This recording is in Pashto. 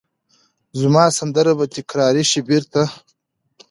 زما سندره به تکرار شي بیرته